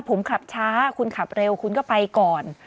ผมขับช้าคุณขับเร็วคุณก็ไปก่อน